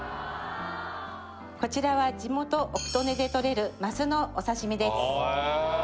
こちらは地元奥利根でとれる鱒のお刺身です